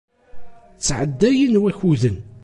Ttɛeddayen wakuden.